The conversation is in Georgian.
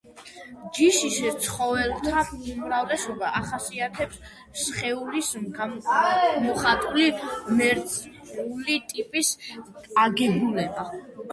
ჯიშის ცხოველთა უმრავლესობას ახასიათებს სხეულის გამოხატული მერძეული ტიპის აგებულება.